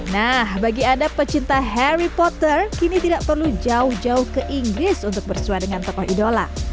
nah bagi anda pecinta harry potter kini tidak perlu jauh jauh ke inggris untuk bersuara dengan tokoh idola